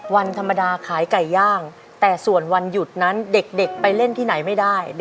วันธรรมดาขายไก่ย่างแต่ส่วนวันหยุดนั้นเด็กไปเล่นที่ไหนไม่ได้